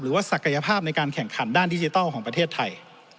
ศักยภาพในการแข่งขันด้านดิจิทัลของประเทศไทย